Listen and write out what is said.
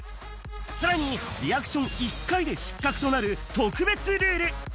さらに、リアクション１回で失格となる特別ルール。